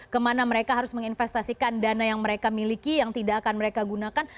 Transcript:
kemana mereka harus menginvestasikan dana yang mereka miliki yang tidak akan mereka gunakan